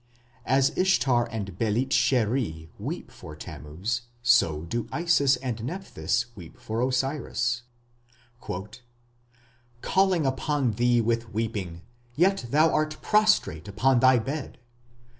" As Ishtar and Belit sheri weep for Tammuz, so do Isis and Nepthys weep for Osiris. Calling upon thee with weeping yet thou art prostrate upon thy bed!